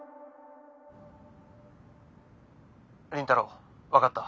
倫太郎分かった。